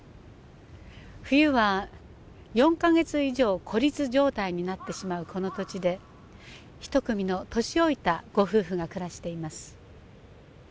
冬は４か月以上孤立状態になってしまうこの土地で１組の年老いたご夫婦が暮らしています。